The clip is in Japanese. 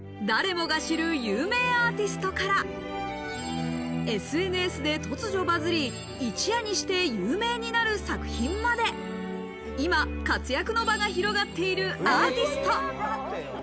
誰もが知る有名アーティストからＳＮＳで突如バズり、一夜にして有名になる作品まで、今、活躍の場が広がっているアーティスト。